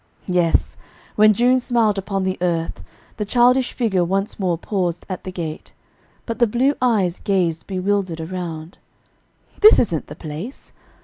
Yes, when June smiled upon the earth, the childish figure once more paused at the gate, but the blue eyes gazed bewildered around. "This isn't the place.